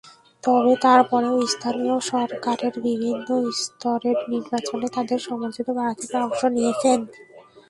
তবে তারপরেও স্থানীয় সরকারের বিভিন্ন স্তরের নির্বাচনে তাদের সমর্থিত প্রার্থীরা অংশ নিয়েছেন।